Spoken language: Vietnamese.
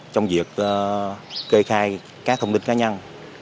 trong việc kê khai các thông tin cá nhân